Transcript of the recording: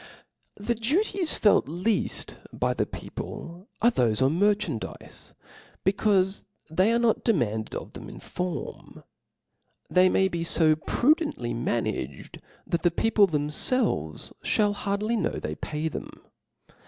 The duties felt leafl by the people are thqfc on mer chandi^te, becaufe they are not demanded of them in forqu. They may be fo prudently managed^ that . I the OF LAWS. ^ji Book XIIL the people themfelves (hall hardly know they pay them.